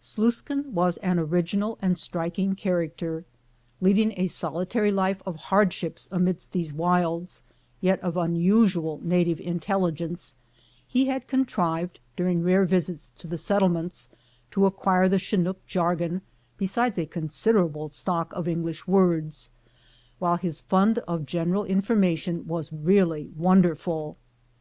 Sluiskin was an original and striking character. Leading a solitary life of hardships amidst these wilds, yet of unusual native intelligence, he had contrived, during rare visits to the settlements, to acquire the Chinook jargon, besides a considerable stock of English words, while his fund of general information was really wonderful.